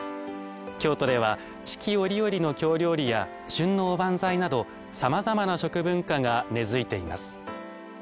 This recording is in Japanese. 京都では四季折々の京料理や旬のおばんざいなどさまざまな食文化が根づいています。